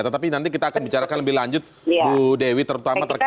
tetapi nanti kita akan bicarakan lebih lanjut bu dewi terutama terkait